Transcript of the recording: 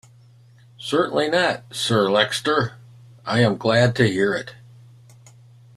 "Certainly not, Sir Leicester," "I am glad to hear it."